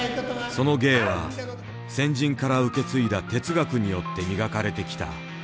その芸は先人から受け継いだ哲学によって磨かれてきた。